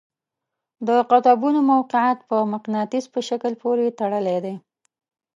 د قطبونو موقیعت په مقناطیس په شکل پورې تړلی دی.